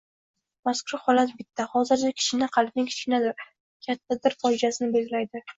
Mazkur holat bitta, hozircha kichkina qalbning kichkinadir, kattadir fojiasini belgilaydi.